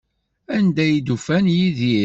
Anda ay d-ufan Yidir?